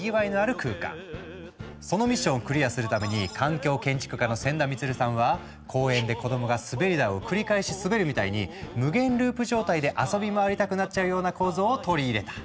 そのミッションをクリアするために環境建築家の仙田満さんは公園で子どもが滑り台を繰り返し滑るみたいに無限ループ状態で遊び回りたくなっちゃうような構造を取り入れた。